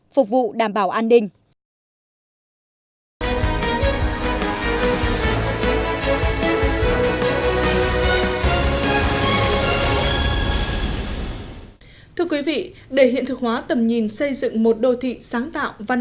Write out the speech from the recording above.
phục vụ đảm bảo an ninh thưa quý vị để hiện thực hóa tầm nhìn xây dựng một đô thị sáng tạo văn